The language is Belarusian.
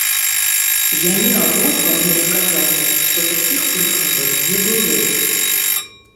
Яны абодва мне сказалі, што такіх прыкладаў не было.